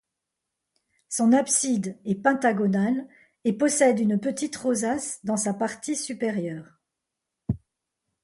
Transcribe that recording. Son abside est pentagonale est possède une petite rosace dans sa partie supérieure.